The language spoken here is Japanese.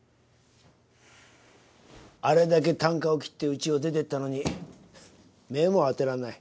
あれだけたんかを切ってうちを出てったのに目も当てられない。